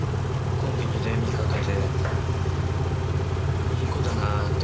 コンビニで見かけていい子だなって思って。